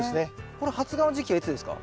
これ発芽の時期はいつですか？